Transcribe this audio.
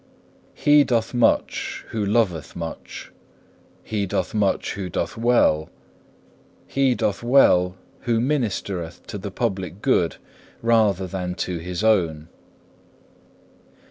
2. He doth much who loveth much. He doth much who doth well. He doth well who ministereth to the public good rather than to his own.